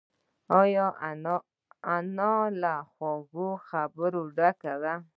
انا له خوږو خبرو ډکه ده